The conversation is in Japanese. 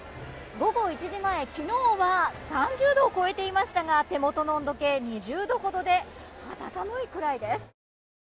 午後１時前、昨日は３０度を超えていましたが手元の温度計２０度ほどで肌寒いくらいです。